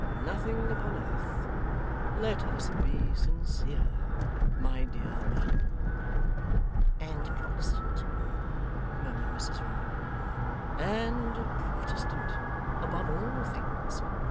Nothing upon earth. Let us be sincere, my dear madam '' and Protestant,' murmured Mrs Varden. ' and Protestant above all things.